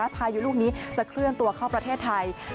พายุลูกนี้จะเคลื่อนตัวเข้าประเทศไทย